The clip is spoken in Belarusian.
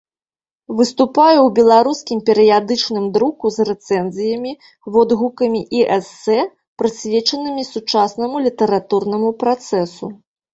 Выступае ў беларускім перыядычным друку з рэцэнзіямі, водгукамі і эсэ, прысвечанымі сучаснаму літаратурнаму працэсу.